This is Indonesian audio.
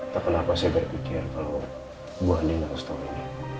tak pernah pas saya berpikir kalau bu andi gak usah tahu ini